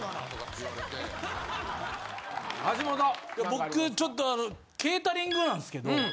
僕ちょっとケータリングなんですけどうん。